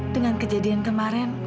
dengan kejadian kemarin